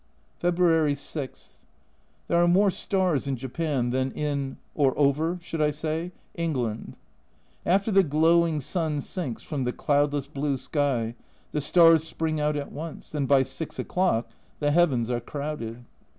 February 6. There are more stars in Japan than in (or over, should I say?) England. After the glowing sun sinks from the cloudless blue sky, the stars spring out at once, and by 6 o'clock the heavens are crowded.